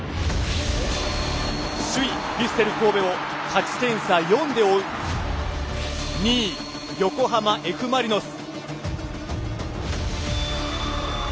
首位・ヴィッセル神戸を勝ち点差４で追う２位、横浜Ｆ・マリノス。